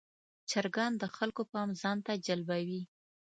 چرګان د خلکو پام ځان ته جلبوي.